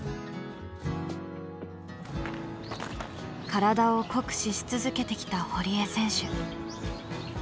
体を酷使し続けてきた堀江選手。